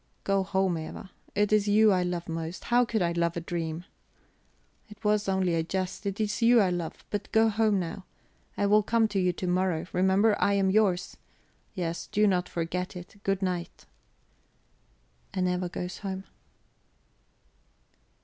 "Go home, Eva. It is you I love most; how could I love a dream? It was only a jest; it is you I love. But go home now; I will come to you to morrow; remember, I am yours; yes, do not forget it. Good night." And Eva goes home.